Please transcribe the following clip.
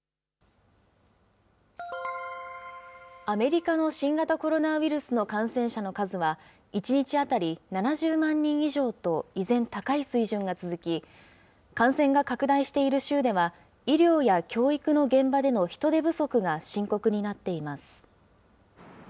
アメリカの新型コロナウイルスの感染者の数は、１日当たり７０万人以上と、依然、高い水準が続き、感染が拡大している州では、医療や教育の現場での人手不足が深刻になっています。